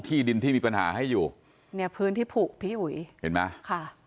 ที่ดินที่มีปัญหาให้อยู่เนี่ยพื้นที่ผูกพี่อุ๋ยเห็นไหมค่ะ